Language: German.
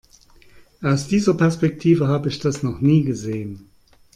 Aus dieser Perspektive habe ich das noch nie gesehen.